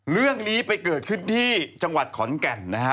เรื่องนี้ไปเกิดขึ้นที่จังหวัดขอนแก่นนะฮะ